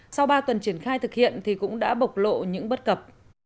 sau ba tuần triển khai thực hiện thì cũng đã bộc lộ những bất cập